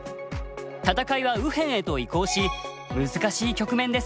戦いは右辺へと移行し難しい局面です。